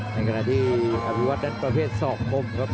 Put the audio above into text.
ในขณะที่อภิวัตนีมันประเภท๒พมครับ